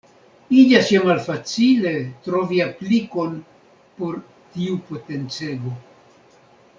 Iĝas ja malfacile trovi aplikon por tiu potencego.